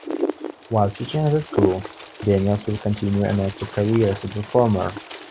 While teaching at the school, Daniels will continue an active career as a performer.